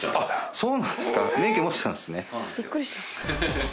そうなんですよ。